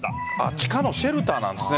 地下のシェルターなんですね。